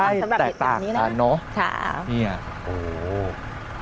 ใช่แตกต่างกันเนอะใช่นี่อ่ะโห